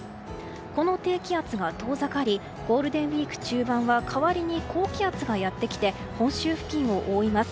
この低気圧が遠ざかりゴールデンウィーク中盤は代わりに高気圧がやってきて本州付近を覆います。